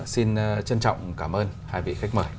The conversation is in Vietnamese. xin trân trọng cảm ơn hai vị khách mời